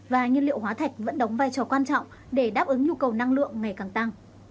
và nhiên liệu hóa thạch vẫn đóng vai trò quan trọng để đáp ứng nhu cầu năng lượng ngày càng tăng